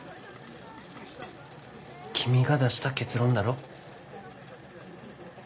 君が出した結論だろ。